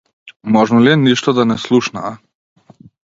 Можно ли е ништо да не слушнаа?